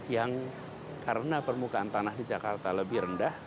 yang karena permukaan tanah di jakarta lebih rendah